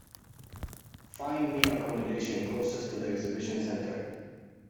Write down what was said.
Find me accommodation closest to the exhibition center.